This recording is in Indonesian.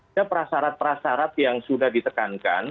ada persyarat persyarat yang sudah ditekankan